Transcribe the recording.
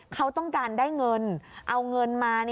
เขาต้องการได้เงินเอาเงินมา